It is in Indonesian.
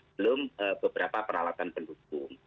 belum beberapa peralatan penduduk